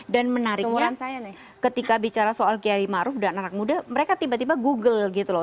dan menariknya ketika bicara soal kiai ma'ruf dan anak muda mereka tiba tiba google gitu loh